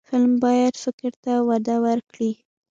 فلم باید فکر ته وده ورکړي